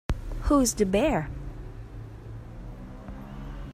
Who's the bear?